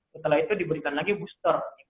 setelah itu diberikan lagi booster